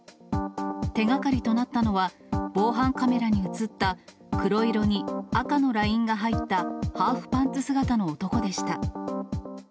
手がかりとなったのは、防犯カメラに写った、黒色に赤のラインが入ったハーフパンツ姿の男でした。